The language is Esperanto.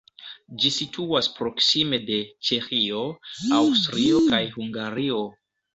Ĝi situas proksime de Ĉeĥio, Aŭstrio kaj Hungario.